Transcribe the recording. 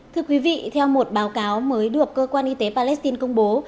theo một báo cáo mới được cơ quan y tế palestine công bố